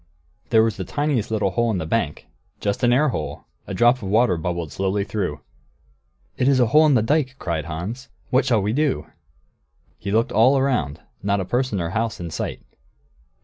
There was the tiniest little hole in the bank. Just an air hole. A drop of water bubbled slowly through. "It is a hole in the dike!" cried Hans. "What shall we do?" He looked all round; not a person or a house in sight.